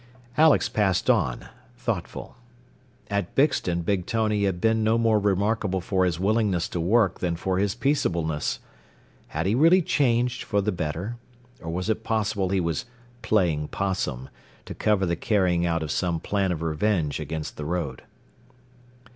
Alex passed on, thoughtful. At Bixton Big Tony had been no more remarkable for his willingness to work than for his peaceableness. Had he really changed for the better? Or was it possible he was "playing possum," to cover the carrying out of some plan of revenge against the road?